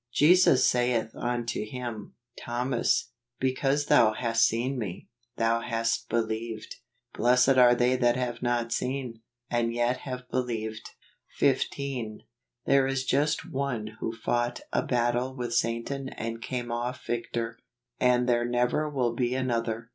" Jesus saith unto him , Thomas, because thou hast seen me, thou hast believed: blessed are they that have not seen, and yet have believed 15. There is just One who fought a ba' tie with Satan and came off victor, and there never will be another.